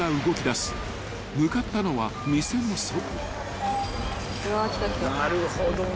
［向かったのは店の外］